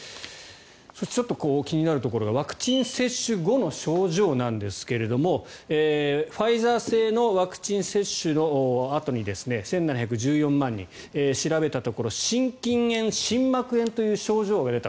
そして、気になるところがワクチン接種後の症状なんですけれどもファイザー製のワクチン接種のあとに１７１４万人を調べたところ心筋炎、心膜炎という症状が出た。